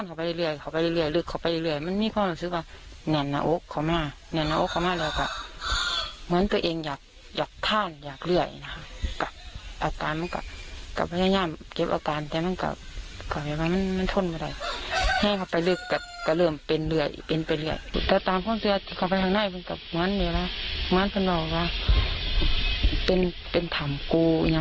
ให้เขาไปรีบกระเรือนออกเป็นเรื่อย